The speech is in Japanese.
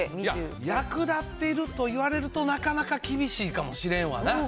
役立っているかというと、なかなか厳しいかもしれへんわな。